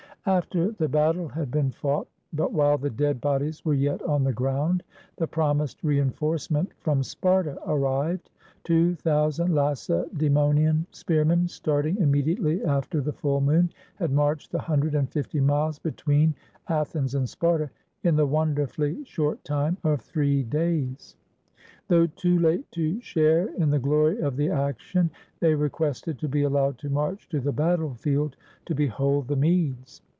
After the battle had been fought, but while the dead bodies were yet on the ground, the promised reinforce ment from Sparta arrived. Two thousand Lacedaemo nian spearmen, starting immediately after the full moon, had marched the hundred and fifty miles between Athens and Sparta in the wonderfully short time of three days. 87 GREECE Though too late to share in the glory of the action, they requested to be allowed to march to the battle field to behold the Medes.